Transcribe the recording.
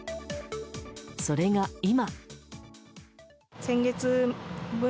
それが、今。